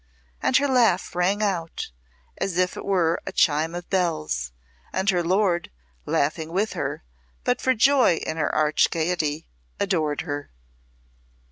And her laugh rang out as if it were a chime of bells, and her lord, laughing with her but for joy in her arch gayety adored her.